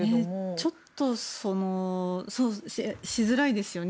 ちょっとしづらいですよね。